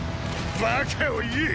バカを言え！